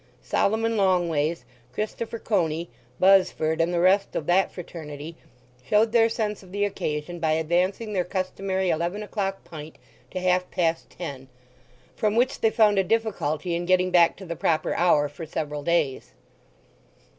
Solomon Longways, Christopher Coney, Buzzford, and the rest of that fraternity, showed their sense of the occasion by advancing their customary eleven o'clock pint to half past ten; from which they found a difficulty in getting back to the proper hour for several days.